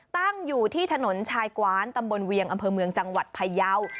ตั้งอยู่ที่ถนนชายกว้านตำบลเวียงอำเภอเมืองจังหวัดพยาว